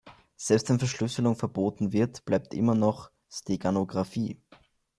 Selbst wenn Verschlüsselung verboten wird, bleibt immer noch Steganographie.